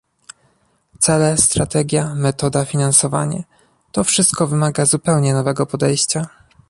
Cele, strategia, metoda, finansowanie - to wszystko wymaga zupełnie nowego podejścia